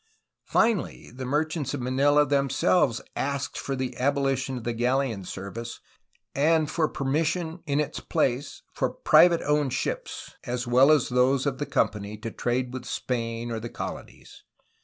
Finally, the merchants of Manila themselves asked for the abolition of the galleon service and for permission in its place for private owned ships, as well as those of the Company, to trade with Spain or the colonies.